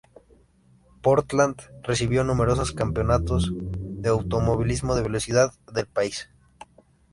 Portland recibió a numerosas campeonatos de automovilismo de velocidad del país.